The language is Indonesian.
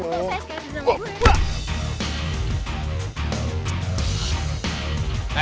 bisa saya sekadar gue